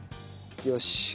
よし。